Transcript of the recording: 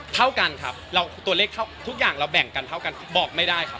เท่ากันครับตัวเลขทุกอย่างเราแบ่งกันเท่ากันบอกไม่ได้ครับ